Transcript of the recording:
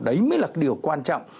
đấy mới là điều quan trọng